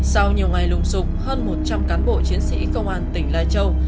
sau nhiều ngày lùng sụp hơn một trăm linh cán bộ chiến sĩ công an tỉnh lai châu